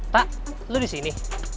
tak lu disini